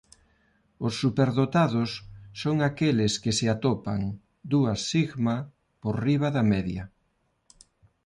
Os superdotados son aqueles que se atopan dúas sigma por riba da media.